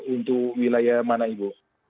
untuk wilayah mana ibu